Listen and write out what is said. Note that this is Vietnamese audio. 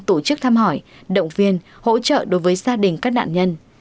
tổ chức thăm hỏi động viên hỗ trợ đối với gia đình các nạn nhân